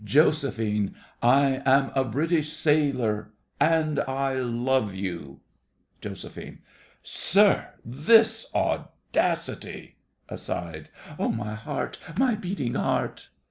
Josephine, I am a British sailor, and I love you! JOS. Sir, this audacity! (Aside.) Oh, my heart, my beating heart!